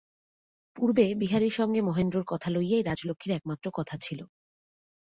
পূর্বে বিহারীর সঙ্গে মহেন্দ্রের কথা লইয়াই রাজলক্ষ্মীর একমাত্র কথা ছিল।